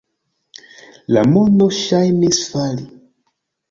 La mondo ŝajnis fali.